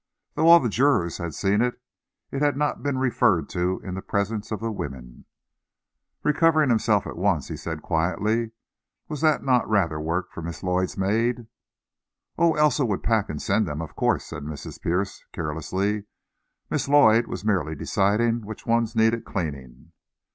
Though all the jurors had seen it, it had not been referred to in the presence of the women. Recovering himself at once, he said quietly "Was not that rather work for Miss Lloyd's maid?" "Oh, Elsa would pack and send them, of course," said Mrs. Pierce carelessly. "Miss Lloyd was merely deciding which ones needed cleaning."